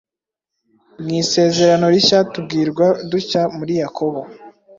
Mu isezerano rishya tubwirwa dutya muri Yakobo